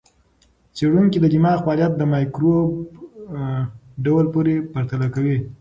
څېړونکي د دماغ فعالیت د مایکروب ډول پورې پرتله کوي.